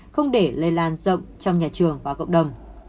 không để lây lan rộng trong nhà trường và cộng đồng